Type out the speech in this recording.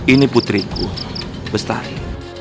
ini putriku bestari